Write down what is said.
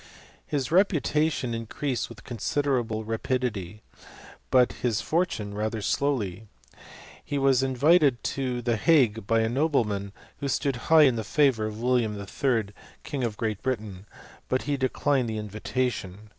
His reputation increased with considerable rapidity ; but his fortune rather slowly. He was in vited to the Hague by a nobleman, who stood high in the favour of William III., King of Great Britain; bol he declined the invitation.